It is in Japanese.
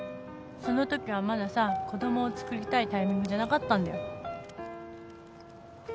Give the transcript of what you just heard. そのときはまださ子供をつくりたいタイミングじゃなかったんだよ。